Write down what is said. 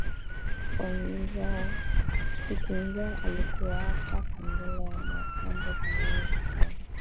Kuku njo alikuwaka kengele ya ba kambo zamani za kale